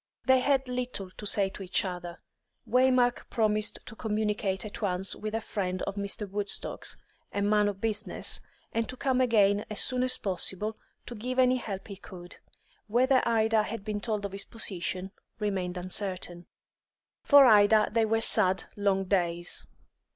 They had little to say to each other, Waymark promised to communicate at once with a friend of Mr. Woodstock's, a man of business, and to come again as soon as possible, to give any help he could. Whether Ida had been told of his position remained uncertain. For Ida they were sad, long days.